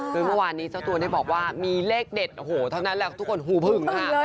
โดยเมื่อวานนี้เจ้าตัวได้บอกว่ามีเลขเด็ดโอ้โหเท่านั้นแหละทุกคนหูผึงค่ะ